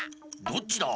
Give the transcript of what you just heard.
どっちだ？